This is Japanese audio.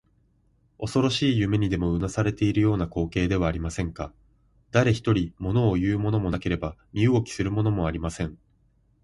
おそろしい夢にでもうなされているような光景ではありませんか。だれひとり、ものをいうものもなければ身動きするものもありません。